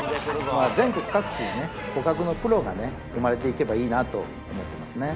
全国各地にね捕獲のプロがね生まれていけばいいなと思ってますね。